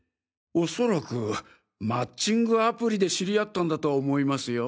おそらくマッチングアプリで知り合ったんだと思いますよ。